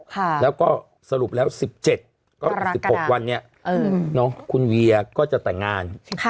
ค่ะแล้วก็สรุปแล้ว๑๗ก็อีก๑๖วันเนี่ยน้องคุณเวียก็จะแต่งงาน